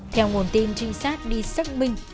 theo nguồn tin trinh sát đi xác minh